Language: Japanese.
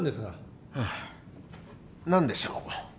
何でしょう？